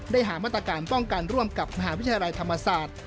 หามาตรการป้องกันร่วมกับมหาวิทยาลัยธรรมศาสตร์